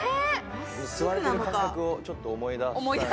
吸われてる感覚をちょっと思い出さないと。